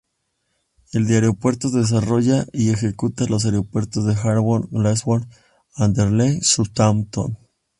El de Aeropuertos desarrolla y ejecuta los aeropuertos de Heathrow, Glasgow, Aberdeen y Southampton.